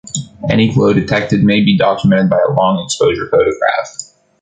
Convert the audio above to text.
Any glow detected may be documented by a long-exposure photograph.